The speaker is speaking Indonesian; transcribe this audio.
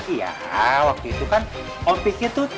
iya waktu itu kan om pikir tuh